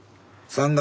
３月。